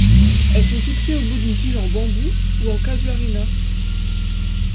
Elles sont fixées au bout d'une tige en bambou ou en casuarina.